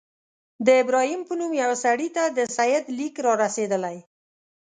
د ابراهیم په نوم یوه سړي ته د سید لیک را رسېدلی.